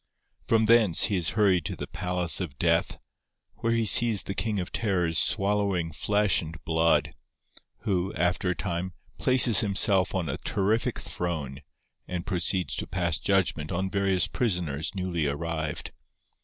From thence he is hurried to the palace of Death, where he sees the King of Terrors swallowing flesh and blood, who, after a time, places himself on a terrific throne, and proceeds to pass judgment on various prisoners newly arrived.